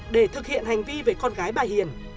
để thực hiện hành vi về con gái bà hiền